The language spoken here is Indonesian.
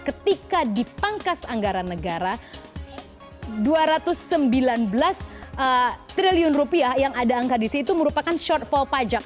ketika dipangkas anggaran negara dua ratus sembilan belas triliun rupiah yang ada angka di situ merupakan shortfall pajak